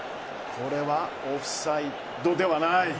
これはオフサイドではない。